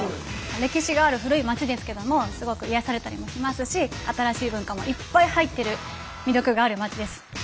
歴史がある古いまちですけどもすごく癒やされたりもしますし新しい文化もいっぱい入ってる魅力があるまちです。